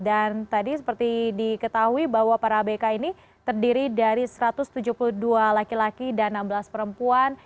dan tadi seperti diketahui bahwa para abk ini terdiri dari satu ratus tujuh puluh dua laki laki dan enam belas perempuan